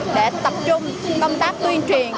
để tập trung công tác tuyên truyền